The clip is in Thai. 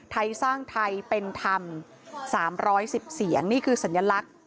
ไทยสร้างไทยเป็นธรรม๓๑๐เสียงนี่คือสัญลักษณ์